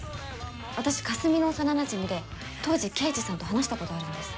私かすみの幼なじみで当時刑事さんと話したことあるんです。